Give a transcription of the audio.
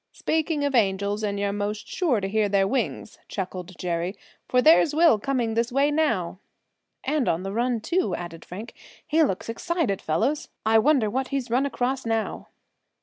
"Speaking of angels, and you're most sure to hear their wings," chuckled Jerry; "for there's Will coming this way now." "And on the run, too!" added Frank. "He looks excited, fellows. I wonder what he's run across now?"